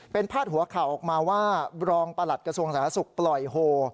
เป็นพาดหัวข่าวออกมาว่ารองประหลัดกระทรวงสาธารณสุขปล่อยโฮ